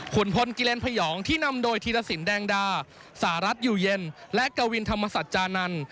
คุณพลกิเลนพยองที่นำโดยธีรสินแดงดาสหรัฐอยู่เย็นและกวินธรรมสัจจานันทร์